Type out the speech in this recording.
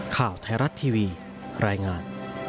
สวัสดีครับ